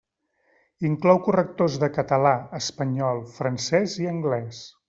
Inclou correctors de català, espanyol, francès i anglès.